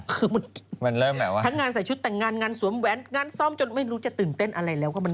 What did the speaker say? คือมันทั้งงานใส่ชุดแต่งงานงานสวมแว้นงานซ่อมจนไม่รู้จะตื่นเต้นอะไรแล้ว